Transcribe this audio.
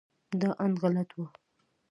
دا اند غلط و.